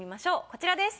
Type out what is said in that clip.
こちらです。